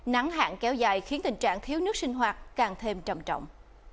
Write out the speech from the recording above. nắng hạn kéo dài khiến tình trạng thiếu nước sinh hoạt càng thêm trầm trọng